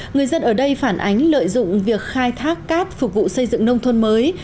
người dân ở đây phản ánh lợi dụng việc khai thác cát phục vụ xây dựng nông thôn mới